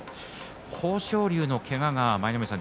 豊昇龍のけがが舞の海さん